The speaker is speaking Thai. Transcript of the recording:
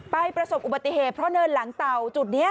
ไปประสบอุบัติเหตุเพราะเนินหลังเตา